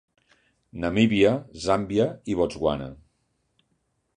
Namíbia, Zàmbia i Botswana.